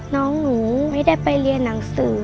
น้องหนูไม่ได้ไปเรียนหนังสือ